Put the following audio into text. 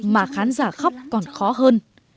mà khán giả khóc còn khó hơn